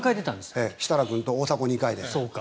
設楽君と大迫君２回で。